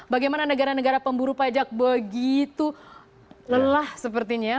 bagaimana negara negara pemburu pajak begitu lelah sepertinya ya